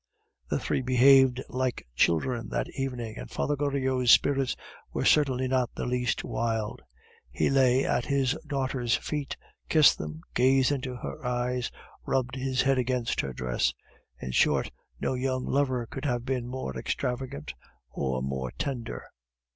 The three behaved like children that evening, and Father Goriot's spirits were certainly not the least wild. He lay at his daughter's feet, kissed them, gazed into her eyes, rubbed his head against her dress; in short, no young lover could have been more extravagant or more tender.